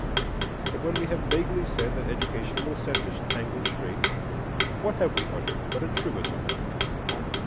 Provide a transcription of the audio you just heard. But when we have vaguely said that Education will set this tangle straight, what have we uttered but a truism?